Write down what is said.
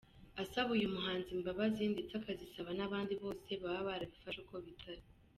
Asaba uyu muhanzi imbabazi ndetse akazisaba n’abandi bose baba barabifashe uko bitari.